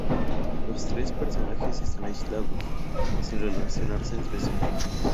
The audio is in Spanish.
Los tres personajes están aislados, sin relacionarse entre sí.